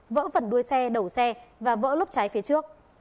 vỡ phần đuôi xe đầu xe và vỡ lốc trái phía trước